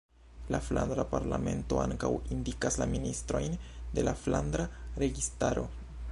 La Flandra Parlamento ankaŭ indikas la ministrojn de la flandra registaro.